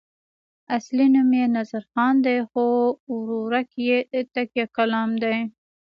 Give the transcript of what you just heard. اصلي نوم یې نظرخان دی خو ورورک یې تکیه کلام دی.